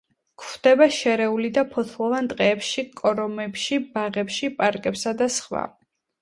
გვხვდება შერეულ და ფოთლოვან ტყეებში, კორომებში, ბაღებში, პარკებსა და სხვა.